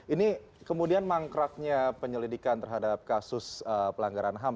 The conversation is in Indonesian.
ini kemudian mangkraknya penyelidikan terhadap kasus pelanggaran ham